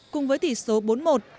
cùng với tỷ số bốn một